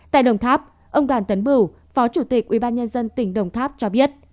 tại đồng tháp ông đoàn tấn bửu phó chủ tịch ubnd tỉnh đồng tháp cho biết